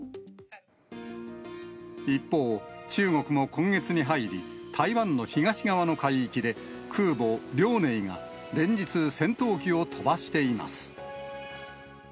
一方、中国も今月に入り、台湾の東側の海域で空母、遼寧が、連日、戦闘機を飛ばしています。